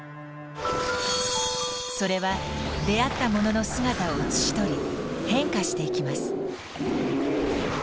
それは出会ったものの姿を写し取り変化していきます。